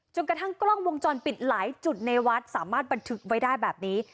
กระทั่งกล้องวงจรปิดหลายจุดในวัดสามารถบันทึกไว้ได้แบบนี้